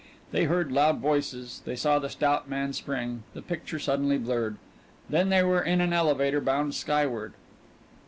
They heard loud voices; they saw the stout man spring; the picture suddenly blurred. Then they were in an elevator bound skyward.